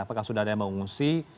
apakah sudah ada yang mengungsi